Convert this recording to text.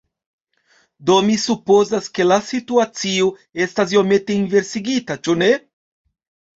Do mi supozas ke la situacio estas iomete inversigita ĉu ne?